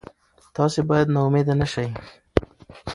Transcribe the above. تاسي باید نا امیده نه شئ.